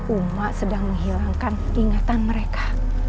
uma sedang menghilangkan ingatan mereka